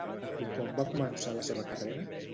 I com va començar la seva carrera?